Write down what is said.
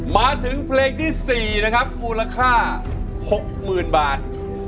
มาถึงเพลงที่๔นะครับมูลค่า๖๐๐๐บาท